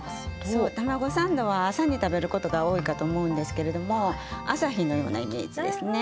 そうたまごサンドは朝に食べることが多いかと思うんですけれども朝日のようなイメージですね。